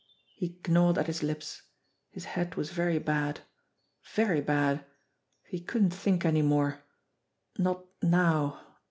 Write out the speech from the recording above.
He gnawed at his lips. His head was very bad very bad. He couldn't think any more. Not now